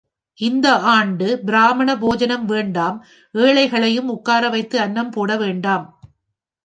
இந்த ஆண்டு பிராமண போஜனம் வேண்டாம் ஏழைகளையும் உட்கார வைத்து அன்னம் போட வேண்டாம்.